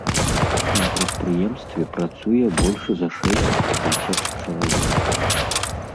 На прадпрыемстве працуе больш за шэсць тысяч чалавек.